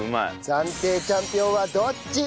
暫定チャンピオンはどっち！？